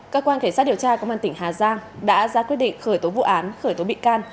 cơ quan cảnh sát điều tra công an tỉnh hà giang đã ra quyết định khởi tố vụ án khởi tố bị can